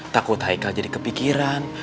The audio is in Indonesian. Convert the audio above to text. takut haikal jadi kepikiran